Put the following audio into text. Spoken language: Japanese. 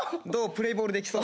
プレーボールできそう？